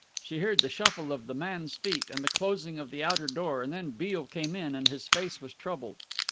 She heard the shuffle of the man's feet and the closing of the outer door and then Beale came in, and his face was troubled.